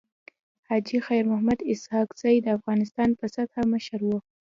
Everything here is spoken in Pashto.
حاجي خير محمد اسحق زی د افغانستان په سطحه مشر وو.